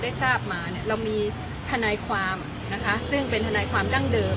ทราบมาเรามีทนายความนะคะซึ่งเป็นทนายความดั้งเดิม